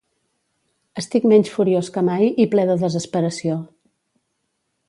Estic menys furiós que mai i ple de desesperació.